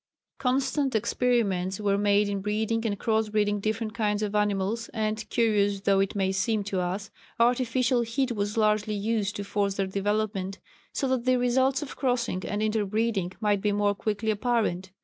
Constant experiments were made in breeding and cross breeding different kinds of animals, and, curious though it may seem to us, artificial heat was largely used to force their development, so that the results of crossing and interbreeding might be more quickly apparent.